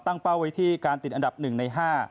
เป้าไว้ที่การติดอันดับ๑ใน๕